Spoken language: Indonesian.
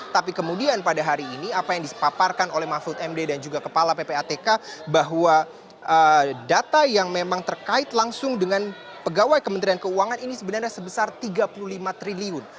tapi kemudian pada hari ini apa yang dipaparkan oleh mahfud md dan juga kepala ppatk bahwa data yang memang terkait langsung dengan pegawai kementerian keuangan ini sebenarnya sebesar tiga puluh lima triliun